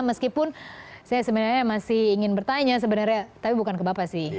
meskipun saya sebenarnya masih ingin bertanya sebenarnya tapi bukan ke bapak sih